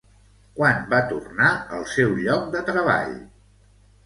Quan va tornar al seu lloc de treball?